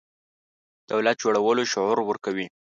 دولت جوړولو شعور ورکوي.